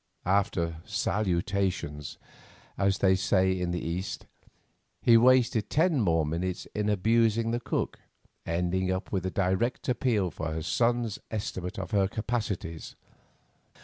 After "salutations," as they say in the East, he wasted ten more minutes in abusing the cook, ending up with a direct appeal for his son's estimate of her capacities.